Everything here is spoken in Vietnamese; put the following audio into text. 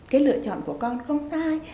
cái lựa chọn của con không sai